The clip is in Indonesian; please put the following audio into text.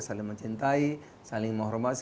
saling mencintai saling menghormati